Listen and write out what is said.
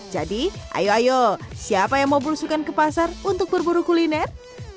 jadi ayo ayo siapa yang mau berusukan ke pasar untuk berburu kuliner